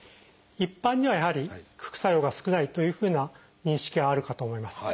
一般にはやはり副作用が少ないというふうな認識はあるかと思います。